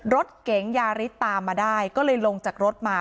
รถเก๋งยาริสตามมาได้ก็เลยลงจากรถมา